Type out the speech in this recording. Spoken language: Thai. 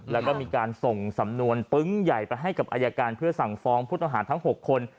แล้วก็มีการส่งสำนวนปึ๊งใหญ่ไปให้กับอายการเพื่อสั่งฟ้องผู้ต้องหาทั้ง๖คน